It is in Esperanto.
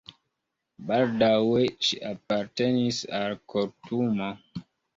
Baldaŭe ŝi apartenis al kortumo.